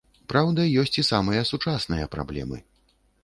Праўда, ёсць і самыя сучасныя праблемы.